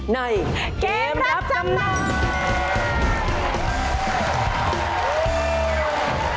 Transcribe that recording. ในเกมรับจำนำ